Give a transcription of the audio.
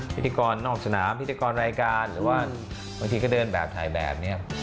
พิธีกรนอกสนามพิธีกรรายการหรือว่าบางทีก็เดินแบบถ่ายแบบนี้